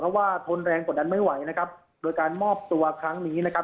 เพราะว่าทนแรงกว่านั้นไม่ไหวนะครับโดยการมอบตัวครั้งนี้นะครับ